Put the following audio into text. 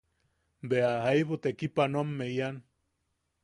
Bea jaibu tekipanoamme ian.